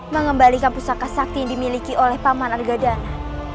mengembalikan pusaka sakti yang dimiliki oleh paman argadana